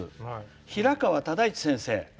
平川唯一先生。